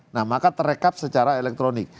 nah maka terekam secara elektronik